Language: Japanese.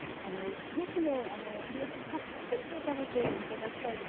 ぜひね春野菜たっぷりと食べて頂きたいですね。